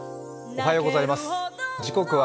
おはようございます。